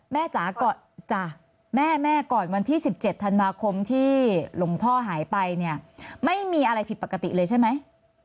จ๋าก่อนจ้ะแม่แม่ก่อนวันที่๑๗ธันวาคมที่หลวงพ่อหายไปเนี่ยไม่มีอะไรผิดปกติเลยใช่ไหม